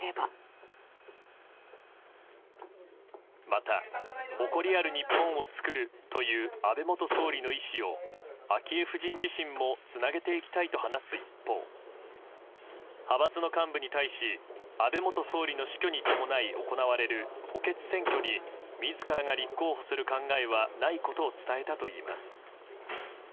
また誇りある日本を作るという安倍元総理の遺志を昭恵夫人自身もつなげていきたいと話す一方派閥の幹部に対し安倍元総理の死去に伴い行われる補欠選挙に自らが立候補する考えはないことを伝えたといいます。